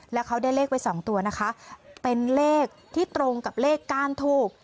แล้วเขาได้เลขไปสองตัวนะคะเป็นเลขที่ตรงกับเลขก้านทูบ